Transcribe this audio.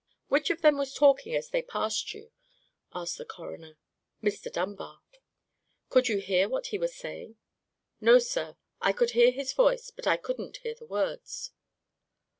"Which of them was talking as they passed you?" asked the coroner. "Mr. Dunbar." "Could you hear what he was saying?" "No, sir. I could hear his voice, but I couldn't hear the words."